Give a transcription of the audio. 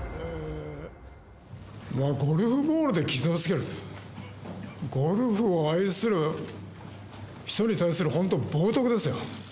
ゴルフボールで傷をつけると、ゴルフを愛する人に対する、本当冒とくですよ。